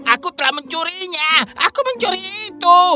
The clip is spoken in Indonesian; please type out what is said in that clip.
aku telah mencurinya aku mencuri itu